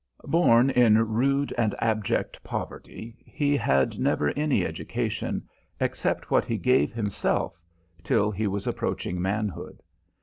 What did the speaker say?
Born in rude and abject poverty, he had never any education, except what he gave himself, till he was approaching manhood.